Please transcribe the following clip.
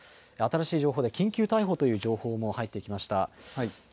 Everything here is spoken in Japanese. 新しい情報で、緊急逮捕という情報も入ってきました。